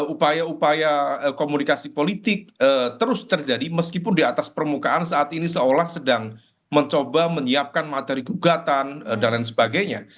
upaya upaya komunikasi politik terus terjadi meskipun di atas permukaan saat ini seolah sedang mencoba menyiapkan materi gugatan dan lain sebagainya